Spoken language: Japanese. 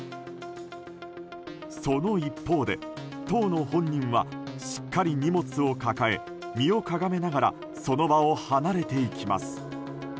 その一方で、当の本人はしっかり荷物を抱え身をかがめながらその場を離れていきます。